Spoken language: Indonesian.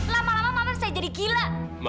lama lama mama saya jadi gila